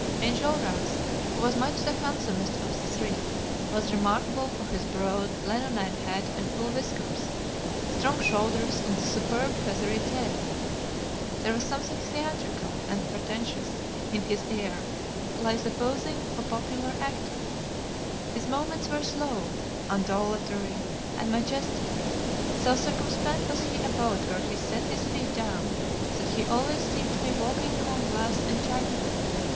Enjolras, who was much the handsomest of the three, was remarkable for his broad, leonine head and full whiskers, strong shoulders, and a superb feathery tail. There was something theatrical and pretentious in his air, like the posing of a popular actor. His movements were slow, undulatory, and majestic: so circumspect was he about where he set his feet down that he always seemed to be walking among glass and china.